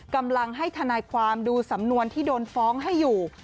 กำลังให้ทนายความดูสำนวนที่โดนฟ้องให้อยู่